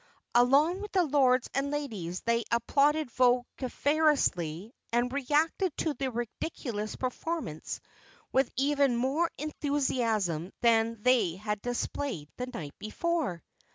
Along with the Lords and Ladies they applauded vociferously and reacted to the ridiculous performance with even more enthusiasm than they had displayed the night before.